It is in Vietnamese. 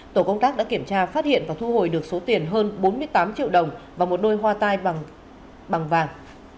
tổ công tác đã kiểm tra phát hiện và thu hồi được số tiền hơn bốn mươi tám triệu đồng và một đôi hoa tai bằng vàng